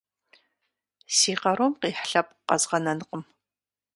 Си къарум къихь лъэпкъ къэзгъэнэнкъым!